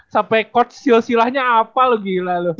sampe coach silsilahnya apa lu gila lu